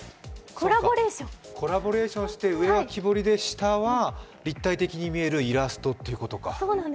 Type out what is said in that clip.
コラボレーションして、上は木彫りで下は立体的に見えるイラストということか。